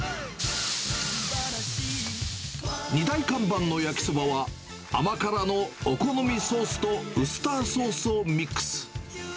２大看板の焼きそばは、甘辛のお好みソースとウスターソースをミックス。